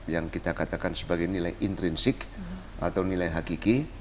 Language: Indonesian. yang kita katakan sebagai nilai intrinsik atau nilai hakiki